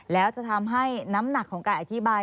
แล้วจะทำให้น้ำหนักของการอธิบาย